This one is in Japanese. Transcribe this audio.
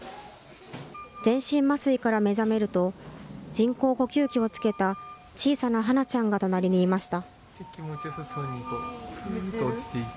全身麻酔から目覚めると、人工呼吸器を着けた小さな華名ちゃんが隣にいました。